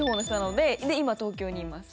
で今東京にいます。